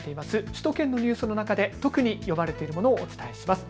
首都圏のニュースの中で特に読まれてるものをお伝えします。